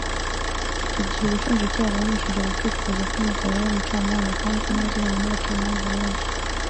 Icyo gihe ubushinjacyaha bwamushinjaga kwitwaza ko umugabo we ari umucamanza kandi ko na we aziranye n’abacamanza benshi